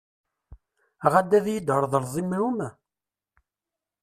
Ɣad ad yi-d-tṛeḍleḍ imru-m?